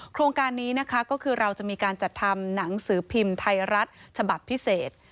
โครงการนี้นะคะก็คือเราจะมีการจัดทำหนังสือพิมพ์ไทยรัฐฉบับพิเศษ